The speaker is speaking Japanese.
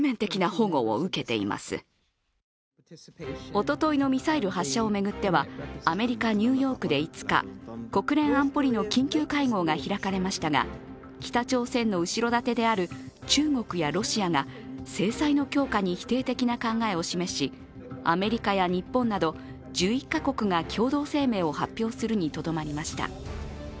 おとといのミサイル発射を巡ってはアメリカ・ニューヨークで５日、国連安保理の緊急会合が開かれましたが、北朝鮮の後ろ盾である中国やロシアが制裁の強化に否定的な考えを示し、アメリカや日本など１１か国が共同声明を発表するにとどまりました。